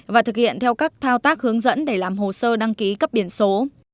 và thực hiện theo các thao tác hướng dẫn để làm hồ sơ đăng ký cấp biển số